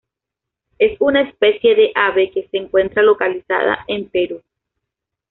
Es una especie de ave que se encuentra localizada en Perú.